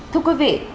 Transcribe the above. thưa quý vị